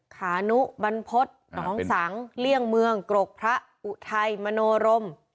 ขานุบรรพฤษหนองสังเลี่ยงเมืองกรกพระอุทัยมโนรม